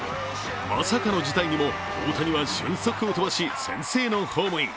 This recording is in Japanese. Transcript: まさかの事態にも大谷は俊足を飛ばし先制のホームイン。